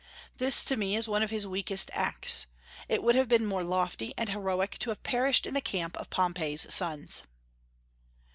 This, to me, is one of his weakest acts. It would have been more lofty and heroic to have perished in the camp of Pompey's sons.